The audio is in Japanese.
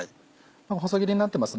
細切りになってます